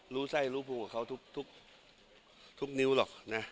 รู้ไส้รู้ภูมิกับเขาทุกนิ้วหรอกนะ